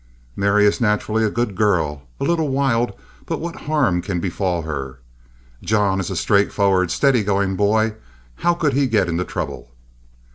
Mary is naturally a good girl—a little wild, but what harm can befall her? John is a straight forward, steady going boy—how could he get into trouble?